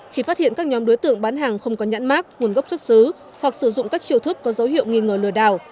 khi phát hiện các nhóm đối tượng bán hàng không có nhãn mát nguồn gốc xuất xứ hoặc sử dụng các chiều thức có dấu hiệu nghi ngờ lừa đảo